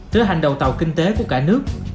thưa hành đầu tàu kinh tế của cả nước